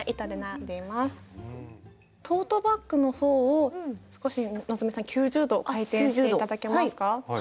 トートバッグのほうを少し希さん９０度回転して頂けますか。